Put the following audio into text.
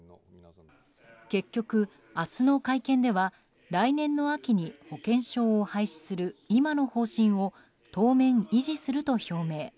結局、明日の会見では来年の秋に保険証を廃止する今の方針を当面維持すると表明。